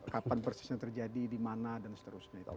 kapan persisnya terjadi dimana dan seterusnya